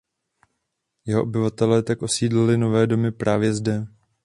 Jeho obyvatelé tak osídlili nové domy právě zde.